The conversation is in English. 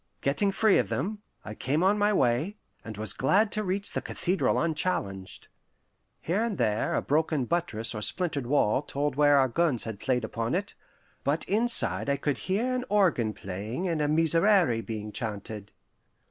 Getting free of them, I came on my way, and was glad to reach the cathedral unchallenged. Here and there a broken buttress or a splintered wall told where our guns had played upon it, but inside I could hear an organ playing and a Miserere being chanted.